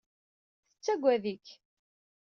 Tettagad-ik.